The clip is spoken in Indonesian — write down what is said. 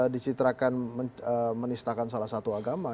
dicitrakan menistakan salah satu agama